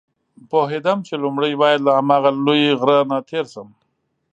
پوهېدم چې لومړی باید له هماغه لوی غره نه تېر شم.